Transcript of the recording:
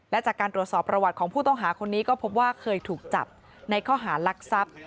และจากการตรวจสอบประวัติของผู้ต้องหาคนนี้ก็พบว่าเคยถูกจับในข้อหารักทรัพย์